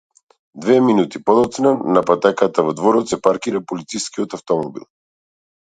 Две минути подоцна на патеката во дворот се паркира полицискиот автомобил.